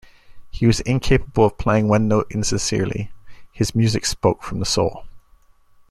He was incapable of playing one note insincerely; his music spoke from the soul.